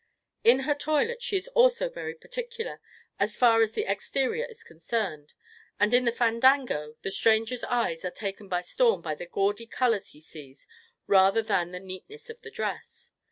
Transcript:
In her toilet she is also very particular, as far as the exterior is concerned, and in the fandango the stranger's eyes are taken by storm by the gaudy colors he sees rather than the neatness of the dress.